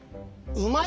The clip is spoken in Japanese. うまい？